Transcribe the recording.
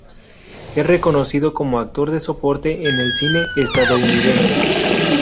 Es reconocido como actor de soporte en el cine estadounidense.